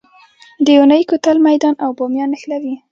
د اونی کوتل میدان او بامیان نښلوي